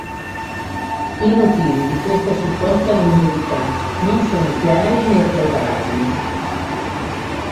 I motivi di questa supposta longevità non sono chiari, né provati.